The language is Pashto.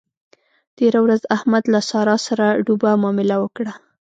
تېره ورځ احمد له له سارا سره ډوبه مامله وکړه.